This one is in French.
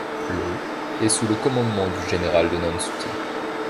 Le est sous le commandement du général de Nansouty.